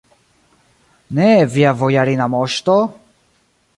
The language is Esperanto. Ne, via bojarina moŝto!